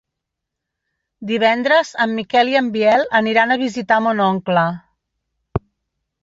Divendres en Miquel i en Biel aniran a visitar mon oncle.